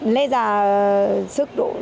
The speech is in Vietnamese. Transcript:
lấy ra sức độ